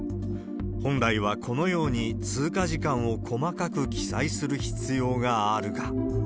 本来はこのように通過時間を細かく記載する必要があるが。